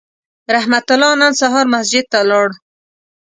رحمت الله نن سهار مسجد ته لاړ